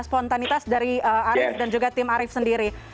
spontanitas dari arief dan juga tim arief sendiri